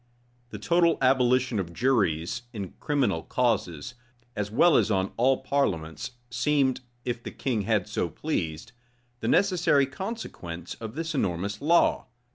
The total abolition of juries in criminal causes, as well as on all parliaments, seemed, if the king had so pleased, the necessary consequence of this enormous law.